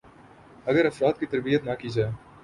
ا گر افراد کی تربیت نہ کی جائے